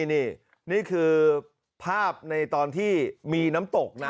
นี่นี่คือภาพในตอนที่มีน้ำตกนะ